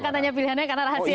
katanya pilihannya karena rahasia